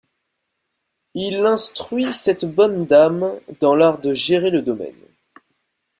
Il instruit cette bonne dame dans l'art de gérer le domaine.